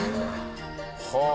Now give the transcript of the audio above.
はあ。